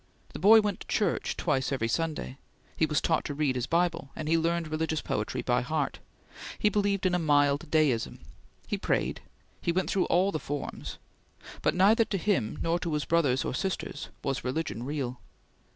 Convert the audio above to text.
The boy went to church twice every Sunday; he was taught to read his Bible, and he learned religious poetry by heart; he believed in a mild deism; he prayed; he went through all the forms; but neither to him nor to his brothers or sisters was religion real.